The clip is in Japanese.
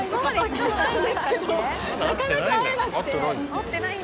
なかなか会えなくて。